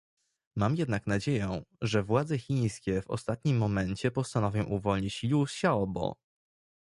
Mam jednak nadzieję, że władze chińskie w ostatnim momencie postanowią uwolnić Liu Xiaobo